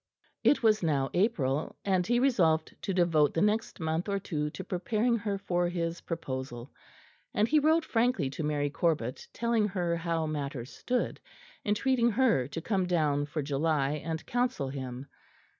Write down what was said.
It was now April, and he resolved to devote the next month or two to preparing her for his proposal; and he wrote frankly to Mary Corbet telling her how matters stood, entreating her to come down for July and counsel him.